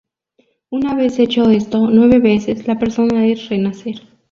Una vez hecho esto nueve veces, la persona es "renacer".